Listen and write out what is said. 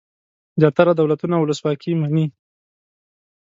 زیاتره دولتونه ولسواکي ومني.